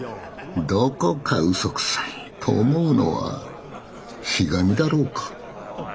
どこかうそくさいと思うのはひがみだろうか。